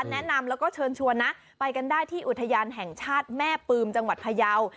แนะนำแล้วก็เชิญชวนนะไปกันได้ที่อุทยานแห่งชาติแม่ปืมจังหวัดพยาว